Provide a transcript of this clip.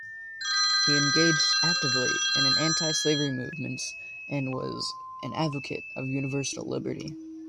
He engaged actively in anti-slavery movements and was an advocate of universal liberty.